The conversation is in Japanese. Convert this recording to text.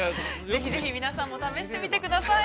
◆ぜひ皆さんも試してみてください。